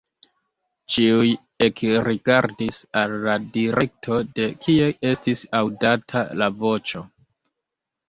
Ĉiuj ekrigardis al la direkto, de kie estis aŭdata la voĉo.